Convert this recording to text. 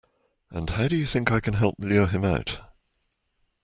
And how do you think I can help lure him out?